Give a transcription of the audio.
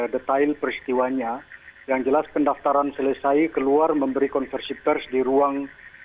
detail peristiwanya yang jelas pendaftaran selesai keluar memberi konversi pers di ruang